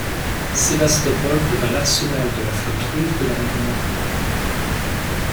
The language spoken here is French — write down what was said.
Sébastopol devint l'arsenal de la flotte russe de la mer Noire.